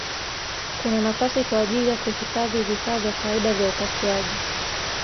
Kuna nafasi kwa ajili ya kuhifadhi vifaa vya kawaida vya upasuaji.